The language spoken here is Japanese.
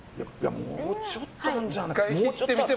もうちょっとなんじゃないかな。